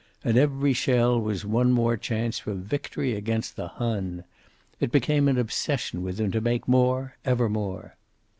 And every shell was one more chance for victory against the Hun. It became an obsession with him to make more, ever more.